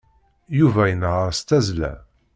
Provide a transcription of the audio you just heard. Yuba inehheṛ s tazzla.